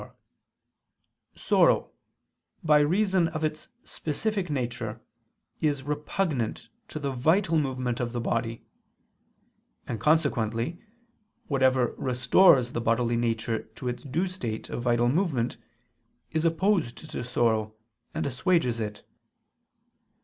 4), sorrow, by reason of its specific nature, is repugnant to the vital movement of the body; and consequently whatever restores the bodily nature to its due state of vital movement, is opposed to sorrow and assuages it.